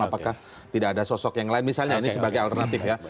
apakah tidak ada sosok yang lain misalnya ini sebagai alternatif ya